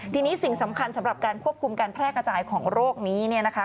ทีนี้สิ่งสำคัญสำหรับการควบคุมการแพร่กระจายของโรคนี้เนี่ยนะคะ